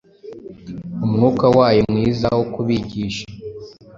Umwuka wayo mwiza wo kubigisha.”